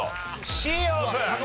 Ｃオープン！